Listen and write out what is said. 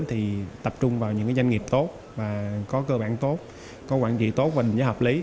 thì tập trung vào những cái danh nghiệp tốt và có cơ bản tốt có quản trị tốt và định giá hợp lý